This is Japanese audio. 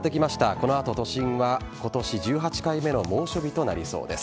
この後、都心は今年１８回目の猛暑日となりそうです。